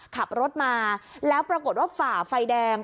ขับรถมาแล้วปรากฏว่าฝ่าไฟแดง